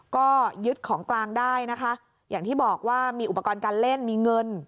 ก็ยึดของกลางได้นะคะอย่างที่บอกว่ามีอุปกรณ์การเล่นมีเงิน